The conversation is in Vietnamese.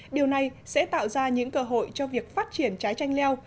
điều này sẽ tạo ra những cơ hội cho việc phát triển trái tranh leo